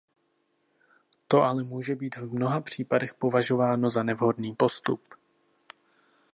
To ale může být v mnoha případech považováno za nevhodný postup.